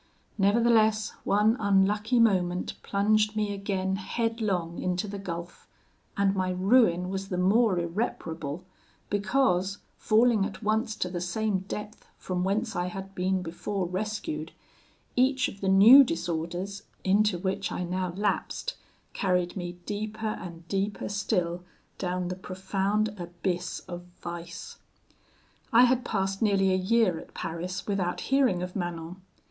Nevertheless, one unlucky moment plunged me again headlong into the gulf; and my ruin was the more irreparable, because, falling at once to the same depth from whence I had been before rescued, each of the new disorders into which I now lapsed carried me deeper and deeper still down the profound abyss of vice. I had passed nearly a year at Paris without hearing of Manon.